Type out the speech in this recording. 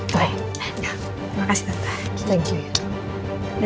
terima kasih tante